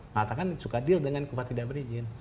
maka kan suka deal dengan kufa tidak berizin